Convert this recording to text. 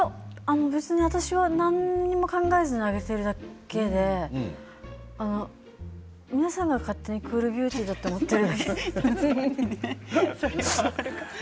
私は何も考えずに上げているだけで皆さんが勝手にクールビューティーだと思っている。